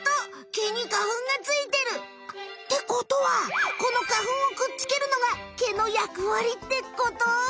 毛に花ふんがついてる！ってことはこの花ふんをくっつけるのが毛の役割ってこと？